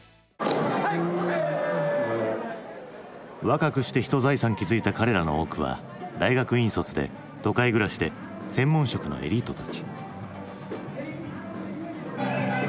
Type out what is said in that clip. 若くしてひと財産築いた彼らの多くは大学院卒で都会暮らしで専門職のエリートたち。